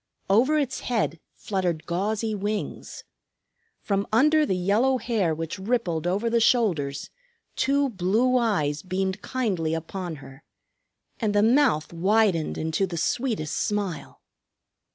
Over its head fluttered gauzy wings. From under the yellow hair which rippled over the shoulders two blue eyes beamed kindly upon her, and the mouth widened into the sweetest smile.